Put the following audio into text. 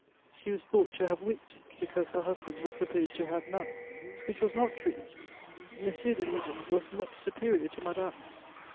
She was thought to have wit, because her husband was supposed to have none, which was not true: M. de Lieven was much superior to Madame.